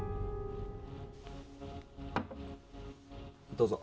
どうぞ。